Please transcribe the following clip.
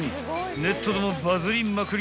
［ネットでもバズりまくり